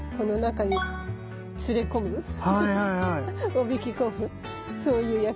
おびき込むそういう役割。